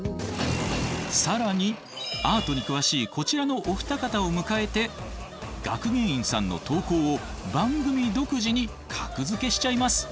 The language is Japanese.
更にアートに詳しいこちらのお二方を迎えて学芸員さんの投稿を番組独自に格付けしちゃいます。